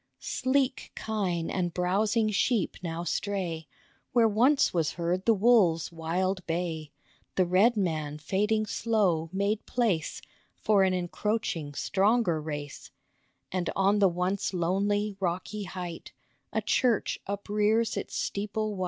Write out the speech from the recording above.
Sleek kine and browsing sheep now stray Where once was heard the wolves' wild bay, The red man fading slow made place For an encroaching, stronger race, And on the once lonely, rocky height A church uprears its steeple white.